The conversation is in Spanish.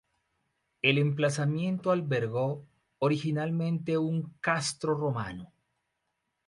El emplazamiento albergó originalmente un castro romano.